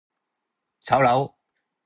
炒樓